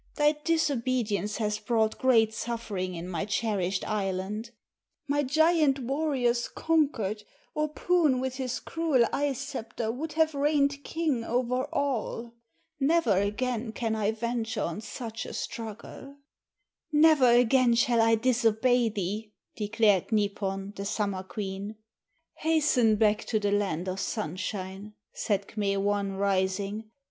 "Thy disobedience has brought great suffering in my cherished island. My giant warriors conquered or Poon with his cruel ice scepter would have reigned king over all. Never again can I venture on such a struggle." "Never again shall I disobey thee," declared Nipon, the Summer Queen. "Hasten back to the land of Sunshine," said K'me wan, rising.